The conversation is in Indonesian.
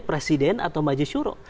presiden atau majelis syuro